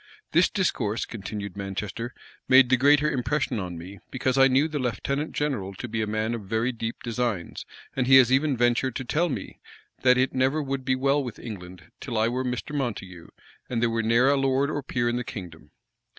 "This discourse," continued Manchester, "made the greater impression on me, because I knew the lieutenant general to be a man of very deep designs; and he has even ventured to tell me, that it never would be well with England till I were Mr. Montague, and there were ne'er a lord or peer in the kingdom."